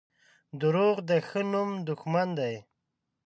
• دروغ د ښه نوم دښمن دي.